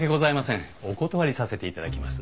お断りさせていただきます。